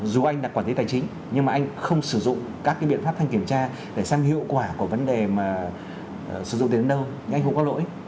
dù anh đã quản lý tài chính nhưng mà anh không sử dụng các biện pháp thanh kiểm tra để xem hiệu quả của vấn đề mà sử dụng đến đâu anh không có lỗi